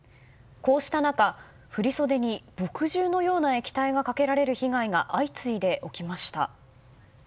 こうした中、振り袖に墨汁のような液体がかけられる被害が相次いで起きました。